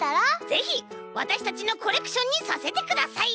ぜひわたしたちのコレクションにさせてください！